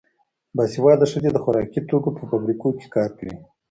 باسواده ښځې د خوراکي توکو په فابریکو کې کار کوي.